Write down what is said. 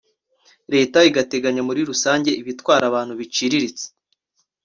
leta igateganya muri rusange ibitwara abantu biciriritse